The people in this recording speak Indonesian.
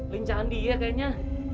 lincahan dia kayaknya